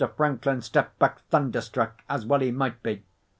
Franklin stepped back thunderstruck, as well he might be.